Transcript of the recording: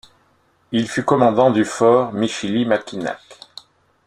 Il fut commandant du Fort Michilimackinac.